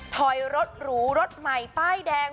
ถอยรถหรูรถใหม่ป้ายแดง